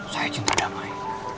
saya cinta damai